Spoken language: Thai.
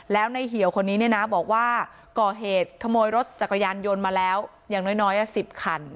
แล้วในเหี่ยวคนนี้เนี่ยนะบอกว่าก่อเหตุขโมยรถจักรยานยนต์มาแล้วอย่างน้อย๑๐คัน